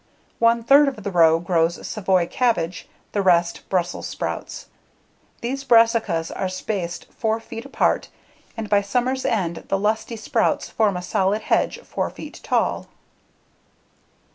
One third of the row grows savoy cabbage, the rest, Brussels sprouts. These brassicas are spaced 4 feet apart and by summer's end the lusty sprouts form a solid hedge 4 feet tall.